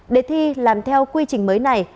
để thi làm theo quy trình mới này